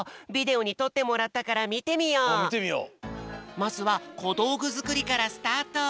まずはこどうぐづくりからスタート。